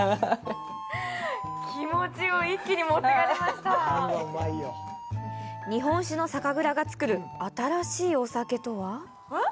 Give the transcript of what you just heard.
気持ちを一気に持ってかれました日本酒の酒蔵が造る新しいお酒とはえっ？